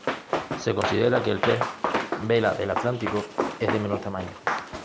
Se considera que el pez vela del Atlántico es de menor tamaño.